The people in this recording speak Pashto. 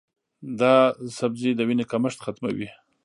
دا سبزی د وینې کمښت ختموي.